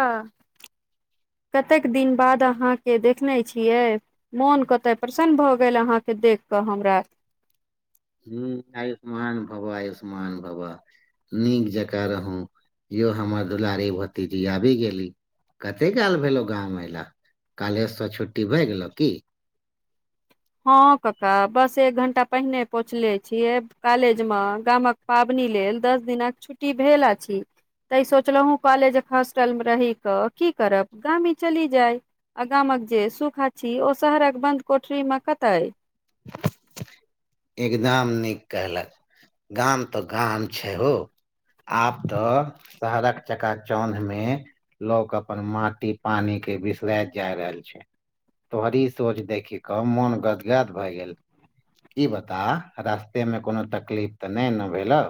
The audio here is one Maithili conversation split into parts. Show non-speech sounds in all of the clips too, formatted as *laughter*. आ कतेक दिन बाद अहाँके देखने छियै मोन कतय प्रसन्न भऽ गेल अहाँके देख कऽ हमरा हुँ आयुष्मान भवः आयुष्मान भवः नीक जकाँ रहूं यौ हमर दुलारी भतीजी आबि गेली कते काल भेलौ गाम एला काॅलेज स छुट्टी भए गेलौ की। हँ कक्का बस एक घंटा पहिने पहुंचले छियै कॉलेज मऽ गामक पाबनि लेल दस दिनक छुट्टी भेल अछि। तै सोचलहु कॉलेजक हॉस्टलमे रहि कऽ की करब गामी चली जाय आ गामक जे सुख अछि ओ शहरक बन्द कोठरी मे कतऽ अइ। एकदम नीक कहल गाम तो गाम छै हो आब तऽ शहरक चकाचौन्ह मे लोक अपन माटि पानी के बिसराइत जा रहल छै तोहरी सोच देखी कऽ मोन गदगद भए गेल। ई बता रास्ते मे कोनो तकलीफ तऽ नै न भेलौ।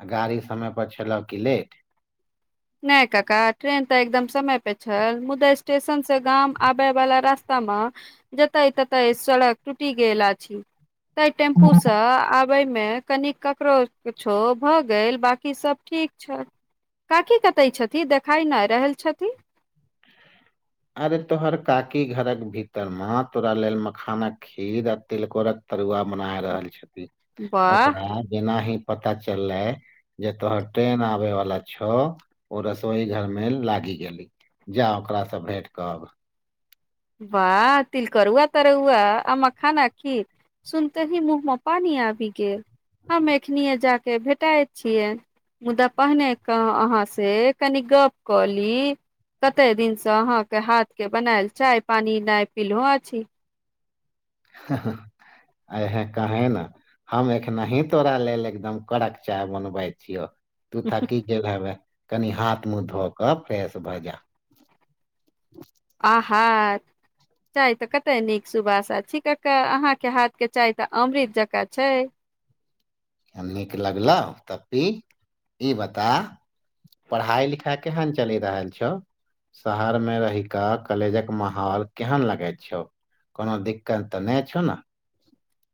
आ गाड़ी समय पर छेलौ की लेट। नय कक्का ट्रेन तऽ एकदम समय पे छल मुदा स्टेशन से गाम आबय वला रास्ता मऽ जतय ततय सड़क टूटि गेल अछि ताहि टेम्पू स आब औमे कनि ककरो किछो भऽ गेल बाकी सब ठीक छै काकी कतै छथि देखाय नहि रहल छथि अरे तोहर काकी घरक भीतर मे तोरा लेल मखानक खीर आ तिलकोरक तरुआ बना रहल छथिन वाह ओकरा जेना ही पता चललै, जे तोहर ट्रेन आबे वाला छौ ओ रसोई घर मे लागी गेली जा ओकरा सँ भेंट कऽ आब बाह तिल करुआ तरौआ आ मखानक खीर सुनते ही मुँह मे पानी आबि गेल हम एखनीए जा के भेटाए छियै मुदा पहिने क अहाँ से कनि गप कऽ ली कते दिनसँ अहाँके हाथके बनायल चाय पानि नहि पिलहो अछि *unintelligible* आहे काहे न हम एखनही तोरा लेल एकदम कड़क चाय बनबै छियो तु थाकी गेल हेबे कनि हाथ- मुँह धो कऽ फ्रेश भऽ जा आँहा चाय तऽ कते नीक सुभाषा छी कक्का अहा के हाथ के चाय तऽ अमृत जकाँ छै नीक लगलो तऽ पी ई बता पढ़ाइ -लिखाइ केहन चलि रहल छौ शहर मे रहि कऽ कॉलेजक माहौल केहन लगैत छौ कोनो दिक्कत तऽ नैय छौ न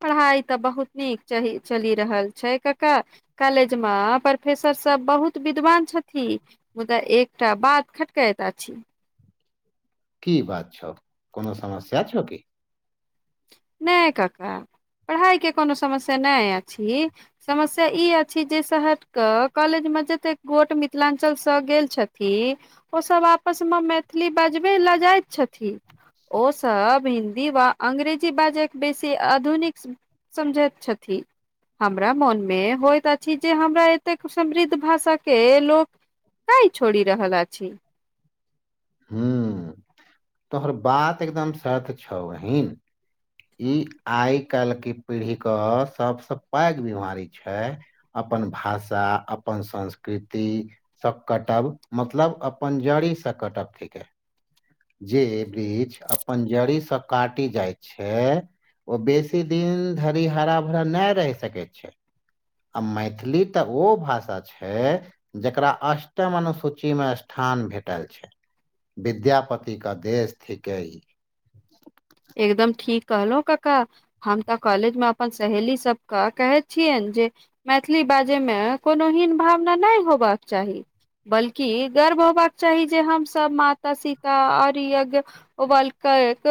पढ़ाइ तऽ बहुत नीक चही चलि रहल छै कक्का कॉलेज मे प्रोफेसर सब बहुत विद्वान छथिन मुदा एकटा बाद खटकायत अछी की बात छौ कोनो समस्या छौ कि नै कक्का पढ़ाइके कोनो समस्या नैय अछि समस्या ई अछि जे शहर कऽ कॉलेजमे जतेक गोट मिथिलाञ्चलसँ गेल छथि ओ सब आपसमे मैथिली बजबै लजायत छथि ओ सब हिन्दी व अंग्रेजी बाजाक बेसी आधुनिक समझैत छथि हमरा मोन मे होइत अछि जे हमरा एतेक समृद्ध भाषा के लोक तै छोड़ि रहल अछी हुम्म तोहर बात एकदम सत छौ बहीन ई आइ कल् के पीढ़ी कऽ सबसँ पैघ बीमारी छै अपन भाषा, अपन संस्कृति सब कटब मतलब अपन जड़ी से कटब थिके जे वृक्ष अपन जड़ी से काटि जाइ छै ओ बेसी दिन धरि हरा- भरा नहि रहि सकै छै आ मैथिली तऽ ओ भाषा छै जकरा अष्टम अनुसूचीमे स्थान भेटल छै विद्यापति कऽ देश थिके ई एकदम ठीक कहलहु कक्का हम तऽ कॉलेजमे अपन सहेली सब कऽ कहै छियैन जे मैथिली बाजयमे कोनो हीन भावना नहि होयबाक चाही बल्कि गर्व होबाक चाही जे हमसभ माता सीता आओर यज्ञ ओ बालकक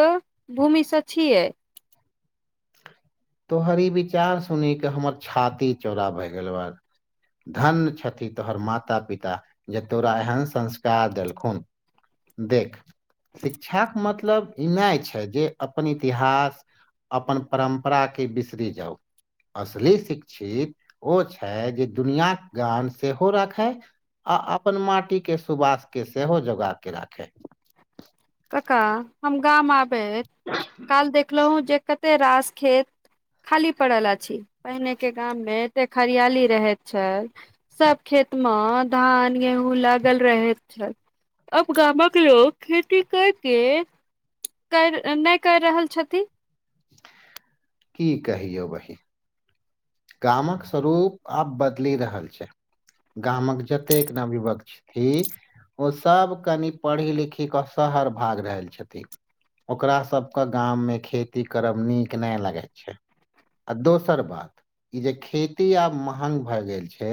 भूमिसँ छियै तोहर ई विचार सुनि केऽ हमर छाती चौड़ा भए गेल आब धन छथि तोहर माता पिता जे तोरा एहन संस्कार देलखुन देख शिक्षाके मतलब ई नाय छै जे अपन इतिहास अपन परम्परा परा के बिसिरि जाउ असली शिक्षित ओ छै जे दुनिआ के गान सेहो राखै आ अपन माटी के सुबास के सेहो जोगा के राखे कक्का हम गाम आबेत काल देखलहुँ जे कते रास खेत खाली पड़ल अछी पहिनेके गाममे एते खरियाली रहैत छल सब खेत मऽ धान, गेहूँ लागल रहेत छैल अब गामक लोक खेत टिकट के कर नै कर रहल छथि की कहियौ बहिन गामक स्वरूप आब बदलि रहल छै गामक जतेक नवयुवक छथि ओसब कनि पढ़ी लिखी कऽ शहर भाग रहल छथि ओकरा सबके गाममे खेती करब निक नै लगै छै आ दोसर बात ई जे खेती आब महान भए गेल छै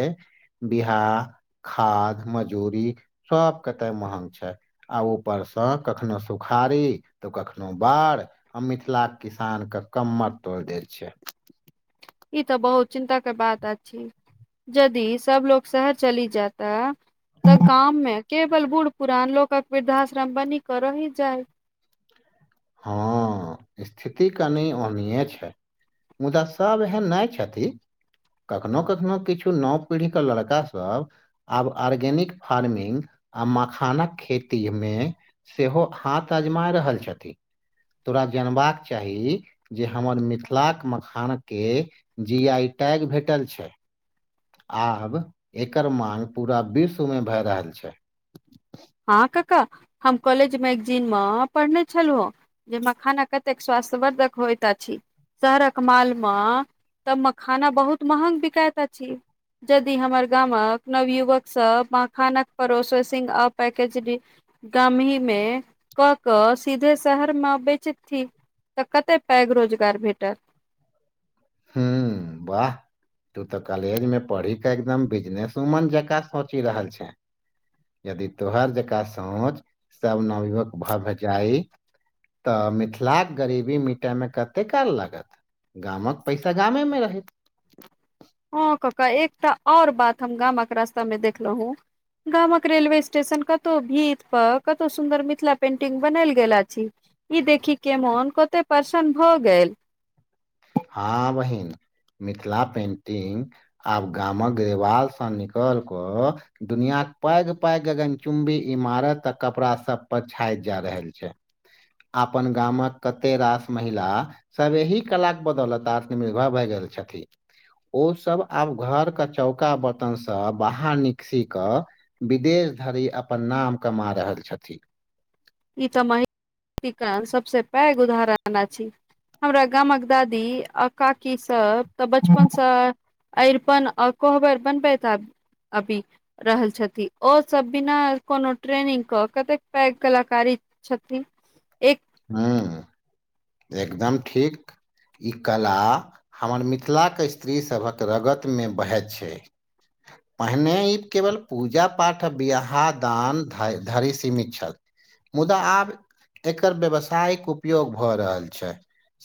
बिहाह खाद मजूरी सब कते महंग छै आ ऊपरसँ कखनो सुखाड़ी तऽ कखनो बाढ आ मिथिलाके किसान के कमर तोइड़ देत छै ई तऽ बहुत चिन्ता के बात अछि जदि सब लोग शहर चली जातऽ तऽ गाममे केवल बूढ़ पुरान लोकक वृद्धाश्रम बनी क रहि जायत हँ इस्थिति कनि ओनीये छै मुदा सब एहन नाय छथि कखनो कखनो किछु नव पीढ़ीके लड़कासब आब आर्गेनिक फार्मिंग आ मखानक खेती मे सेहो हाथ आजमाय रहल छथि तोरा जानबाक चाही जेँ हमर मिथिलाक मखान केँ जी आई टैग भेटल छै आब एकर मांग पूरा विश्व मे भए रहल छै हँ काका हम कॉलेज मैगजीन मे पढ़ने छलु हँ जेँ मखाना कतेक स्वास्थ्यवर्धक होइत अछि शहरक मॉल मे तऽ मखाना बहुत महग बिकाइत अछि यदि हमर गामक नवयुवक सब मखानक प्रोसेसिंग अप पैकेज गामहिमे क कऽ सीधे शहर मे बेचथि तऽ कते टैग रोजगार भेटत हूँ वाह तू तऽ कॉलेज मे पढ़ी क एकदम बिजनेस उमन जकाँ सोचि रहल छाँ यदि तोहार जकाँ सोच सब नवयुवक भऽ भऽ जाई तऽ मिथिलाके गरीबी मिटायमे कते काल लागत गामक पैसा गामेमे रहैत हँ कका एकटा आओर बात हम गामक रास्ता मे देखलहुँ गामक रेलवे स्टेशन कतौ भीत प कतौ सुन्दर मिथिला पेंटिंग बनायल गेल अछि इ देखी के मोन कते परसन्न भ गेल हँ बहिन मिथिला पेंटिंग आब गामक ग्रिवालसँ निकलि कऽ दुनियाक पैघ पैघ गगन चुम्बी इमारत आ कपड़ा सभ पर छाइत जा रहल छै अपन गामक कते रास महिला सब एहि कला बदौलत आत्मनिर्भर भए गेल छथि। ओ सब आब घर के चौका बर्तन स बाहर निकसी क विदेश धरि अपन नाम कमा रहल छथि। ई तऽ महि *unintelligible* ना के काम सबसे पैघ उदाहरण अछि। हमरा गामक दादी आ काकी सब तऽ बचपनसँ अरिपन आ कोहबर बनबैत आबि। आबि रहल छथि ओ सभ बिना कोनो ट्रेनिंग कऽ कतेक पैघ कला कारी छथि। एक हँ एकदम ठीक ई कला हमर मिथिलाक स्त्रीसभक रगतमे बहैत छै। *inaudible* पहिने ई केवल पूजा पाठ बियाहदान धरि सीमित छल। मुदा आब एकर व्यावसायिक उपयोग भऽ रहल छै।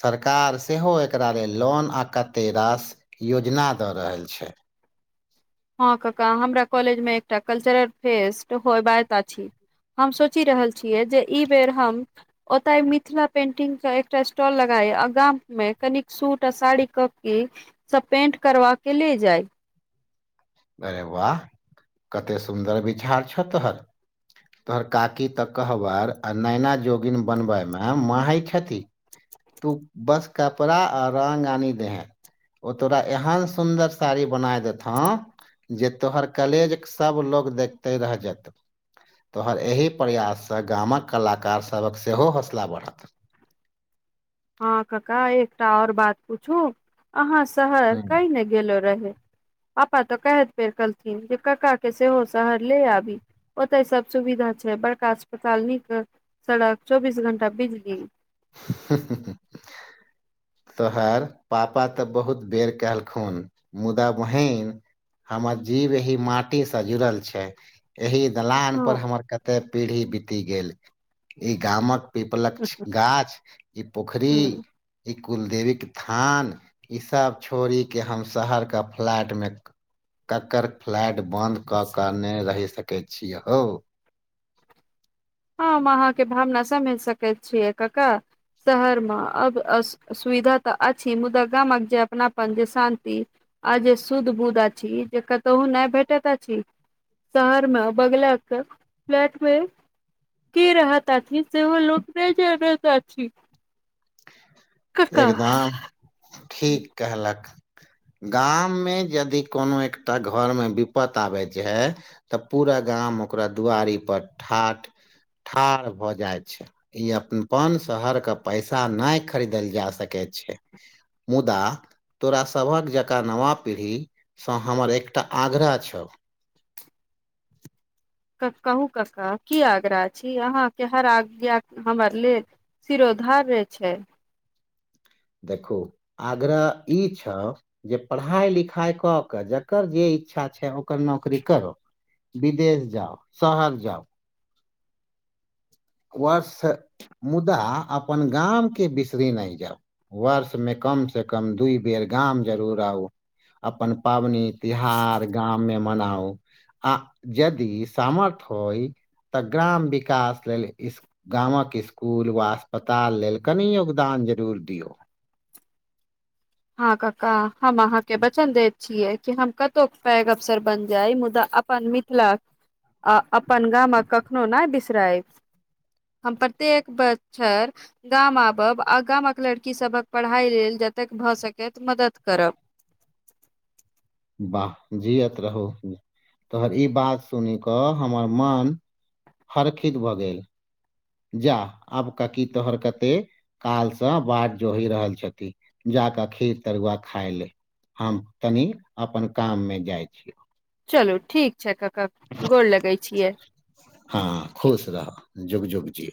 सरकार सेहो एकरा लेल लोन आ कते रास योजना दऽ रहल छै। हँ कक्का हमरा कॉलेज मे एकटा कल्चरल फेस्ट होएबाक अछि। हम सोचि रहल छियै जे इ बेर हम। ओतय मिथिला पेंटिंग के एकटा स्टॉल लगाय आ गाम मे कनिक सूट आ साड़ी क के सब पेंट करबा के ले जाइ। अरे वाह कते सुन्दर विचार छौ तोहर। तोहर काकी तऽ कहबर आ नैना जोगिन बनबैमे माहिर छथि। तू बस कपड़ा आ रङ्ग आनि देहें। ओ तोरा एहन सुन्दर साड़ी बनाय देतहौं जे तोहर कलेजक सब लोग देखते रह जेतौ। तोहर एहि प्रयाससँ गामक कलाकार सभक सेहो हौसला बढ़त। हँ कक्का एकटा आओर बात पूछु अहाँ शहर हूँ कइ ने गेलो रहे। पप्पा तऽ कै फेर कहलथिन जे कक्का के सेहो शहर ले आभी। ओतय सब सुविधा छै बड़का अस्पताल नीक सड़क चौबीस घंटा बिजली। *inaudible* तोहर पापा तऽ बहुत बेर कहलखुन मुदा बहिन हमर जीव यही माटी स जुड़ल छै। एहि दलान पर हँ हमर कते पीढ़ी बीति गेल इ गामक पीपलक गाछ ई पोखरी ह ई कुलदेवी क थान ईसभ छोड़ि के हम शहरके फ्लैटमे ककर फ्लैट बन्द कऽ कऽ नहि रहि सकैत छीय हौ। हम अहाँके भावना समझि सकैत छियै कक्का। शहर मे अब सुविधा तऽ अछि मुदा गामक जे अपनापन जे शान्ति आ जे शुध बुध अछि जे कतहु नय भेटैत अछि। शहरमे बगल के फ्लैट मे की रहैत अथि सेहो लोक नय जानैत अछि। कका एकदम ठीक कहलक। गाममे यदि कोनो एकटा घोरमे विप्त आबैतऽ छैय। तऽ पूरा गाम ओकरा दुआरि पर ठाठ ठाार भोऽ जाय छैय इ अपन शहर के पैसा न खरीद खरीद कऽ जा सके छैय। मुदा तोरा सभक जकाँ नवा पीढ़ीसँ हमर एकटा आग्रह छऔ त कहू कक्का की आग्रह छी अहाँके हर आज्ञा हमर लेल सिरोधार रहै छैय। देखु आग्रह इ छः जे पढ़ाई लिखाई कऽ कऽ जकर जे इच्छा छैय ओकर नौकरी करोै। विदेश जाउ - शहर जाउ वर्ष मुदा अपन गाम के बिसरि नहि जाउ वर्ष मे कम से कम दूइ बेर गाम जरूर आउ अपन पाबनि तिहार गाम में मनाउ आ जदी सामर्थ्य होइ तऽ ग्राम विकास लेल इस गामक स्कूल वा अस्पताल लेल कनि योगदान जरूर दियौ। हँ कक्का हम अहाँके बचन देत छियै कि हम कतोै पैघ अफसर बन जाइब मुदा अपन मिथिला आ अपन गामक कखनो नई बिसराईब। हम प्रत्येक बचछर गाम आबब आ गामक लड़की सभक पढ़ाइ लेल जतैक भऽ सकैत मदद करब वाह जियत रहूँ तोहर ई बात सुनि कऽ हमर मन हरखित भऽ गैल जा आब काकी तोहर कतेक कालसँ बाढ़ जोहि रहल छथिन जा कऽ खीर तरुआ खाय ले हम तनि अपन काम मे जाय छी चलू ठीक छै कक्का गौर लगे छियै हँ खुश रह जुग जुग जिऔ